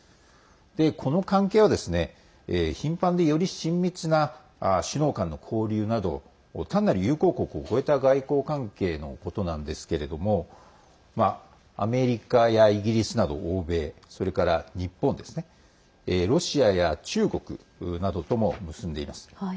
この関係は頻繁で、より親密な首脳間の交流など単なる友好国を超えた外交関係のことなんですがアメリカやイギリスなど欧米それから日本ですねロシアや中国などとも結んでいます。